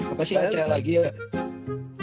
apa sih yang cek lagi ya